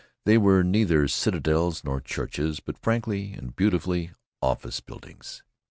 They were neither citadels nor churches, but frankly and beautifully office buildings.